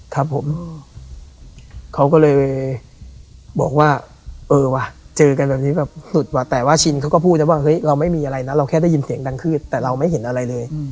ครับผมเขาก็เลยบอกว่าเออว่ะเจอกันแบบนี้แบบสุดว่ะแต่ว่าชินเขาก็พูดได้ว่าเฮ้ยเราไม่มีอะไรนะเราแค่ได้ยินเสียงดังขึ้นแต่เราไม่เห็นอะไรเลย